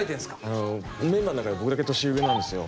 このメンバーの中で僕だけ年上なんですよ。